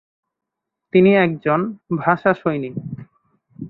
তিনি একজন ভাষাসৈনিক।